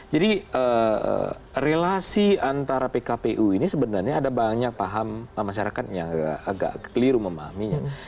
jadi relasi antara pkpu ini sebenarnya ada banyak paham masyarakat yang agak keliru memahaminya